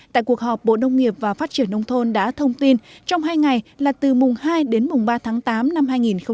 tại cuộc họp bộ nông nghiệp và phát triển nông thôn đã thông tin trong hai ngày là từ mùng hai đến mùng ba tháng tám năm hai nghìn một mươi chín